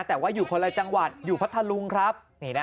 แต่ว่าอยู่คนละจังหวัดอยู่พัทธลุงครับ